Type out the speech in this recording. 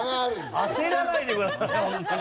焦らないでくださいホントに。